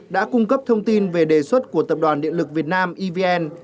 đã cung cấp thông tin về đề xuất của tập đoàn điện lực việt nam evn